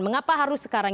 mengapa harus sekarang